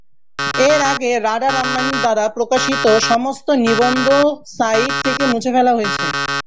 এর আগে Radar Online দ্বারা প্রকাশিত সমস্ত নিবন্ধ সাইট থেকে মুছে ফেলা হয়েছে।